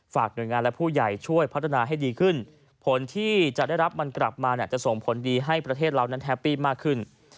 หน่วยงานและผู้ใหญ่ช่วยพัฒนาให้ดีขึ้นผลที่จะได้รับมันกลับมาเนี่ยจะส่งผลดีให้ประเทศเรานั้นแฮปปี้มากขึ้น